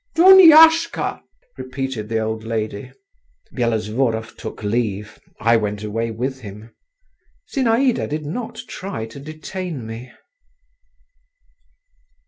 "Duniashka!" repeated the old lady. Byelovzorov took leave; I went away with him. Zinaïda did not try to detain me.